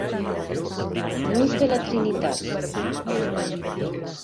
Nus de la Trinitat.